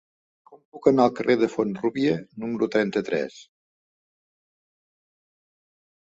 Com puc anar al carrer de Font-rúbia número trenta-tres?